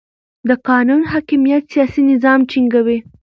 د قانون حاکمیت سیاسي نظم ټینګوي